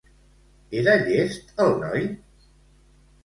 Era llest el noi?